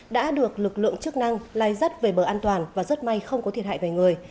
đã được lực lượng chức năng lai dắt về bờ an toàn và rất may không có thiệt hại về người